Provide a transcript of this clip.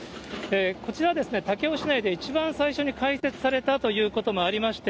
こちら、武雄市内で一番最初に開設されたということもありまして、